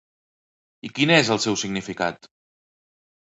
I quin és el seu significat?